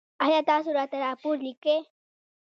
ایا تاسو راته راپور لیکئ؟